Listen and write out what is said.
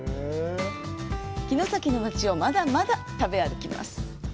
城崎の町をまだまだ食べ歩きます。